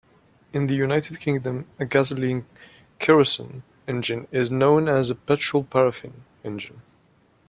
In the United Kingdom, a gasoline-kerosene engine is known as a petrol-paraffin engine.